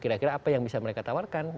kira kira apa yang bisa mereka tawarkan